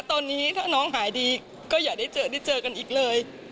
ตอนนี้ถ้าน้องหายดีก็อย่าได้เจอได้เจอกันอีกเลย